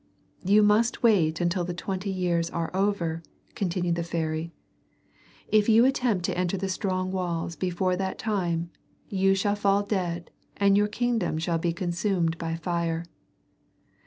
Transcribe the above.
"You must wait until the twenty years are over," continued the fairy. "If you attempt to enter the strong walls before that time you shall fall dead and your kingdom shall be consumed by fire.